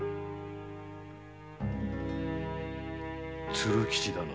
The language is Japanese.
鶴吉だな。